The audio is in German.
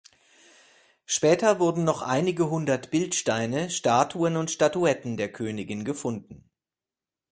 Später wurden noch einige hundert Bildsteine, Statuen und Statuetten der Göttin gefunden.